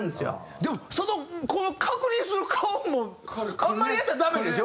でもそのこの確認する顔もあんまりやったらダメでしょ？